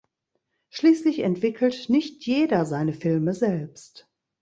Schließlich entwickelt nicht jeder seine Filme selbst.